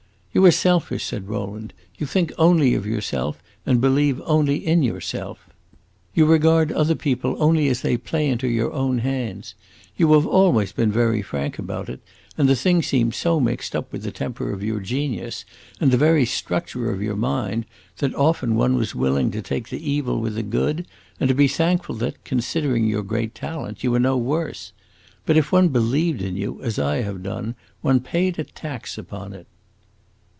"You are selfish," said Rowland; "you think only of yourself and believe only in yourself. You regard other people only as they play into your own hands. You have always been very frank about it, and the thing seemed so mixed up with the temper of your genius and the very structure of your mind, that often one was willing to take the evil with the good and to be thankful that, considering your great talent, you were no worse. But if one believed in you, as I have done, one paid a tax upon it."